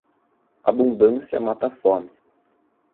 Abundância mata a fome.